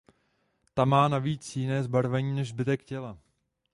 Ta má navíc jiné zbarvení než zbytek těla.